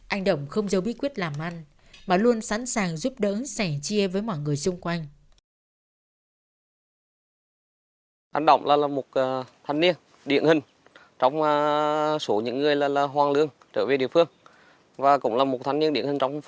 anh động không giấu bí quyết làm ăn mà luôn sẵn sàng giúp đỡ sẻ chia với mọi người xung quanh